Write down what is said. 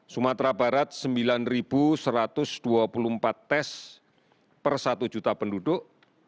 sumatera barat sembilan satu ratus dua puluh empat tes per satu juta penduduk